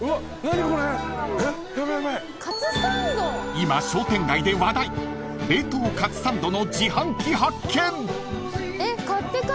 ［今商店街で話題冷凍かつサンドの自販機発見］